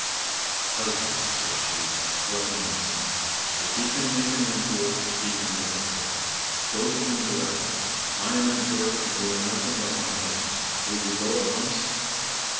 "Husband," said she, "what nonsense! If he can make an emperor he can make a pope. Go to him directly. I am Emperor, and you are nothing but my husband; will you go at once?"